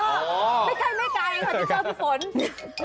ไม่ใกล้เหมือนจะเจอพี่ฝน